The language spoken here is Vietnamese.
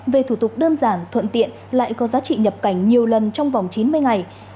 về thủ tục đơn giản thuận tiện lại có giá trị nhập cảnh nhiều lần trong vòng chín mươi ngày